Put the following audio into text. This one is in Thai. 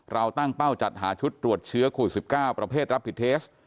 เราตั้งเป้าจัดหาชุดตรวจเชื้อโควิด๑๙ประเภทรับผิดเทส